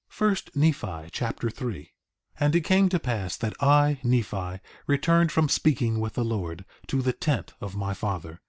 1 Nephi Chapter 3 3:1 And it came to pass that I, Nephi, returned from speaking with the Lord, to the tent of my father.